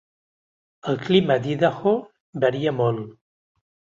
El clima d'Idaho varia molt.